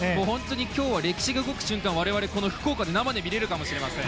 今日は歴史が動く瞬間をこの福岡で我々生で見れるかもしれません。